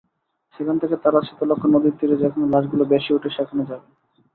সেখান থেকে তাঁরা শীতলক্ষ্যা নদীর তীরে যেখানে লাশগুলো ভেসে ওঠে সেখানে যাবেন।